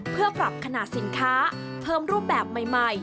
เพื่อปรับขนาดสินค้าเพิ่มรูปแบบใหม่